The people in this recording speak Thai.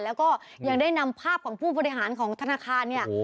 แล้วก็ยังได้นำภาพของผู้บริหารของธนาคารเนี่ย